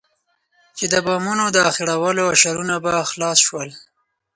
چې د بامونو د اخېړولو اشرونه به خلاص شول.